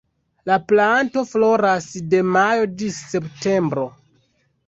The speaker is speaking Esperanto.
La planto floras de majo ĝis septembro.